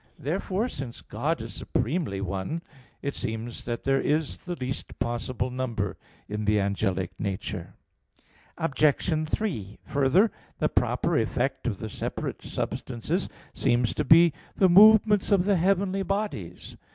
Therefore since God is supremely one, it seems that there is the least possible number in the angelic nature. Obj. 3: Further, the proper effect of the separate substances seems to be the movements of the heavenly bodies.